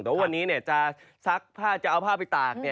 แต่วันนี้เนี่ยจะซักผ้าจะเอาผ้าไปตากเนี่ย